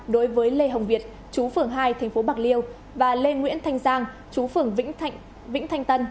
đối với lê hồng việt chú phường hai thành phố bạc liêu và lê nguyễn thanh giang chú phường vĩnh thanh tân